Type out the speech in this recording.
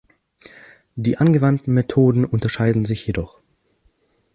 Die angewandten Methoden unterscheiden sich jedoch.